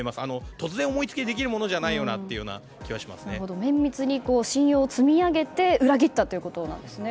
突然思い付きでできるようなものじゃないよなと綿密に信用を積み上げて裏切ったということですね。